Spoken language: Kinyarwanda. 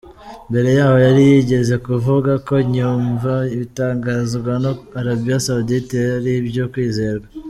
Mbere yaho yari yigeze kuvuga ko yumva ibitangazwa na Arabie Saoudite ari ibyo kwizerwa.